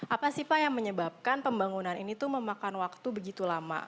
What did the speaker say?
apa sih pak yang menyebabkan pembangunan ini tuh memakan waktu begitu lama